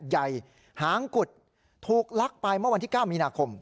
ใหญ่หางกุดถูกลักไปเมื่อวันที่เก้ามีนาคม